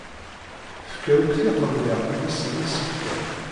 Tefka akk tiqendyar-nnes d isefka.